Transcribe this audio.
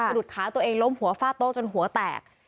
หลุดขาตัวเองล้มหัวฟาดโต๊ะจนหัวแตก